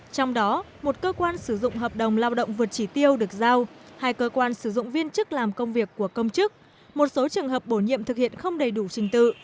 trong đó một cơ quan sử dụng hợp đồng lao động vượt chỉ tiêu được giao hai cơ quan sử dụng viên chức làm công việc của công chức một số trường hợp bổ nhiệm thực hiện không đầy đủ trình tự